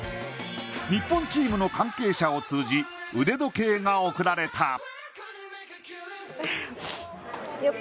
日本チームの関係者を通じ腕時計が贈られた。